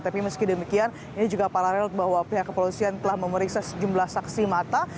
tapi meski demikian ini juga paralel bahwa pihak kepolisian telah memeriksa sejumlah saksi mata